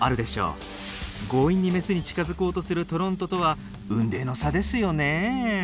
強引にメスに近づこうとするトロントとは雲泥の差ですよね。